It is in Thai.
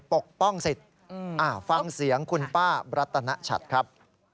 ปกป้องสิทธิ์ฟังเสียงคุณป้ารัตนชัดครับ